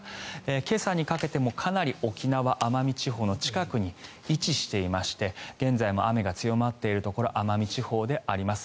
今朝にかけてもかなり沖縄・奄美地方の近くに位置していまして現在も雨が強まっているところ奄美地方であります。